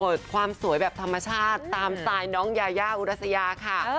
ความสวยแบบธรรมชาติตามสไตล์น้องยายาอุรัสยาค่ะ